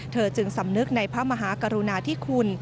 จึงสำนึกในพระมหากรุณาธิคุณ